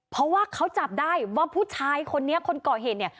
เพราะว่าเขาจับได้ว่าผู้ชายคนนี้คนก่อเหตุเนี่ย